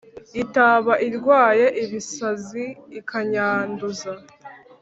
Itaba irwaye ibisazi ikanyanduza